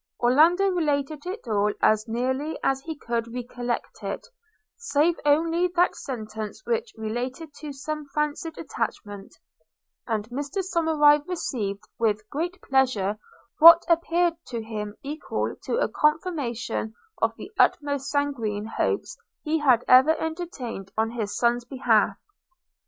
Orlando related it all as nearly as he could recollect it, save only that sentence which related to some fancied attachment; and Mr Somerive received, with great pleasure, what appeared to him equal to a confirmation of the most sanguine hopes he had ever entertained on his son's behalf.